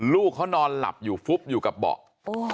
ลูกเขานอนหลับอยู่ฟุบอยู่กับเบาะ